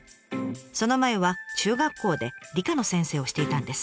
その前は中学校で理科の先生をしていたんです。